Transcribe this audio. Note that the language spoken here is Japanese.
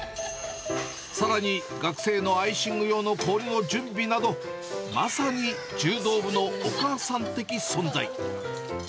さらに、学生のアイシング用の氷の準備など、まさに柔道部のお母さん的存在。